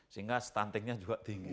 sehingga stuntingnya juga tinggi